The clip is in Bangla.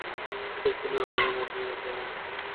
শেষ দিনে নাটকীয় মোড় নেওয়া ম্যাচের চূড়ান্ত নাটক তখনো বাকি ছিল।